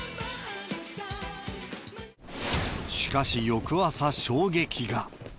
しかし、翌朝、衝撃が。